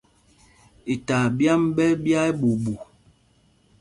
Itaa ɓyǎm ɓɛ́ ɛ́ ɓya ɛɓuu ɓuu.